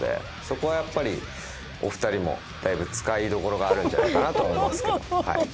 そこはやっぱりお二人もだいぶ使いどころがあるんじゃないかなとは思うんですけどはい。